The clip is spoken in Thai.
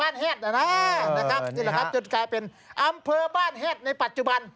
จริงนะครับจะกลายเป็นอำเภอบ้านแฮดในปัจจุบัน